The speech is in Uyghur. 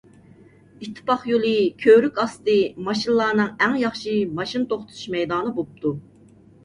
ئىتتىپاق يولى كۆۋرۈك ئاستى ماشىنىلارنىڭ ئەڭ ياخشى ماشىنا توختىتىش مەيدانى بوپتۇ.